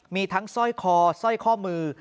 มีทั้งสร้อยคอสร้อยข้อมือ